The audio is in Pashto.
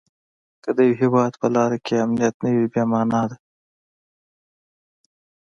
که د یوه هیواد په لارو کې امنیت نه وي بې مانا ده.